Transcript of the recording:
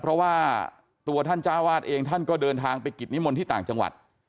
เพราะว่าตัวท่านจ้าวาดเองท่านก็เดินทางไปกิจนิมนต์ที่ต่างจังหวัด